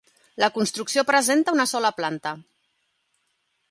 La construcció presenta una sola planta.